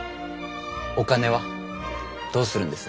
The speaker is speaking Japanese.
お金はどうするんです？